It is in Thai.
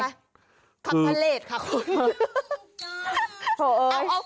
ขับพระเรศค่ะคุณ